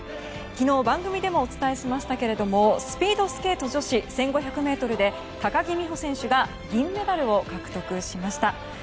昨日番組でもお伝えしましたがスピードスケート女子１５００ｍで高木美帆選手が銀メダルを獲得しました。